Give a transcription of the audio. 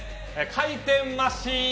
回転マシーン